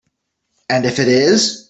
And if it is?